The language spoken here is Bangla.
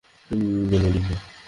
মেলোডি, না।